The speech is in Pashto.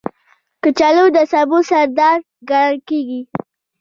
کچالو د سبو سردار ګڼل کېږي